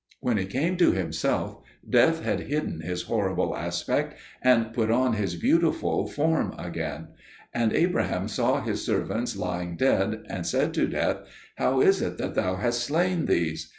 When he came to himself, Death had hidden his terrible aspect and put on his beautiful form again. And Abraham saw his servants lying dead, and said to Death, "How is it that thou hast slain these?"